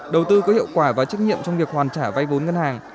đầu tư có hiệu quả và trách nhiệm trong việc hoàn trả vay vốn ngân hàng